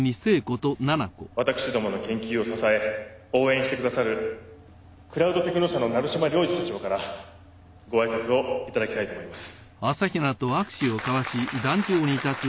私どもの研究を支え応援してくださるクラウドテクノ社の成島亮二社長からご挨拶をいただきたいと思います。